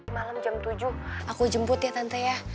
malam jam tujuh aku jemput ya tante ya